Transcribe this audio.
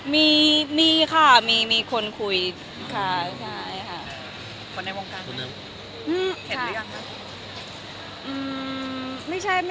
มีค่ะมีคนคุยค่ะ